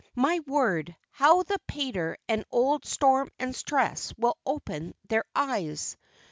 My word, how the pater and old Storm and Stress will open their eyes!